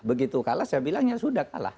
begitu kalah saya bilang ya sudah kalah